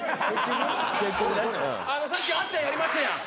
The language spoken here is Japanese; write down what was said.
さっきあっちゃんやりましたやん。